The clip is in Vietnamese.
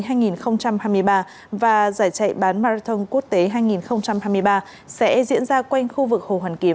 giải chạy bán marathon quốc tế hai nghìn hai mươi ba sẽ diễn ra quanh khu vực hồ hoàn kiếm